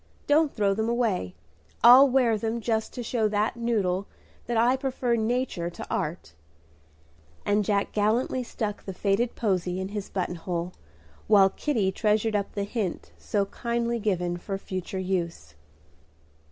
Don't throw them away. I'll wear them just to show that noodle that I prefer nature to art;" and Jack gallantly stuck the faded posy in his button hole, while Kitty treasured up the hint so kindly given for future use.